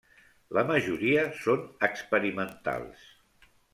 La majoria són experimentals.